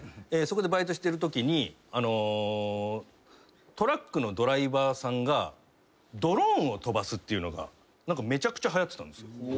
そこでバイトしてるときにトラックのドライバーさんがドローンを飛ばすっていうのがめちゃくちゃはやってたんです。